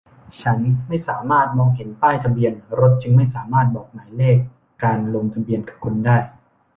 ฉันไม่สามารถมองเห็นป้ายทะเบียนรถจึงไม่สามารถบอกหมายเลขการลงทะเบียนกับคุณได้